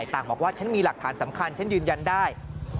ต่างบอกว่าฉันมีหลักฐานสำคัญฉันยืนยันได้